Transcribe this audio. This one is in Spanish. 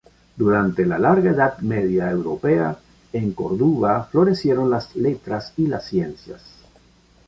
Durante la larga Edad Media europea, en Corduba florecieron las letras y las ciencias.